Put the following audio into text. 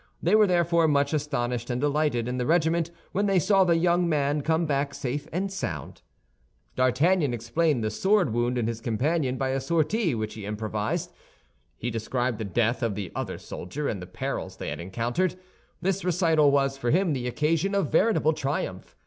They were therefore much astonished and delighted in the regiment when they saw the young man come back safe and sound. D'Artagnan explained the sword wound of his companion by a sortie which he improvised. He described the death of the other soldier, and the perils they had encountered. This recital was for him the occasion of veritable triumph.